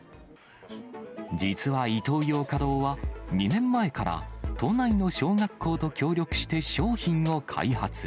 実はイトーヨーカドーは、２年前から都内の小学校と協力して、商品を開発。